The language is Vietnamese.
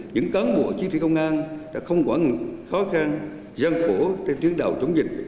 những cán bộ chiến trị công an đã không quản khó khăn gian khổ trên chuyến đào chống dịch